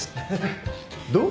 どう？